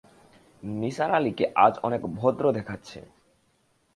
নিসার আলিকে আজ অনেক ভদ্র দেখাচ্ছে।